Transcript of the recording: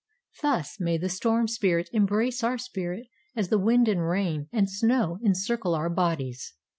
Thus may the storm spirit embrace our spirit as the wind and rain and snow encircle our bodies.